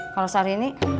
kalau sari ini